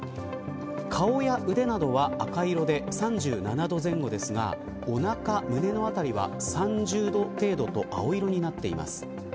顔や腕などは赤色で３７度前後ですがおなか、胸の辺りは３０度程度と青色になっています。